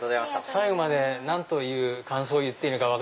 最後まで何と感想言っていいか。